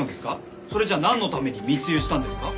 それじゃなんのために密輸したんですか？